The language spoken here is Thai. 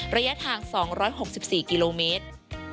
ระยะทาง๒๖๔กิโลเมตร